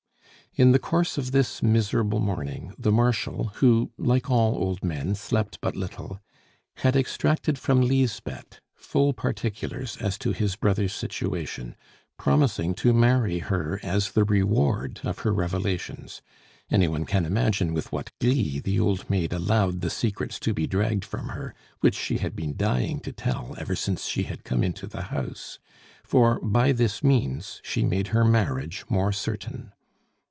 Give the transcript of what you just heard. In the course of this miserable morning, the Marshal, who, like all old men, slept but little, had extracted from Lisbeth full particulars as to his brother's situation, promising to marry her as the reward of her revelations. Any one can imagine with what glee the old maid allowed the secrets to be dragged from her which she had been dying to tell ever since she had come into the house; for by this means she made her marriage more certain.